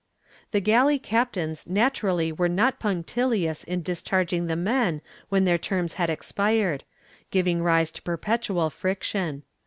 ^ The galley captains naturally were not punctilious in discharg ing the men when their terms had expired, giving rise to perpetual friction.